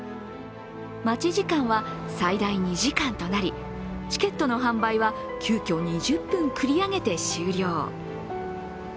待ち時間は最大２時間となり、チケットの販売は急きょ、２０分繰り上げて終了。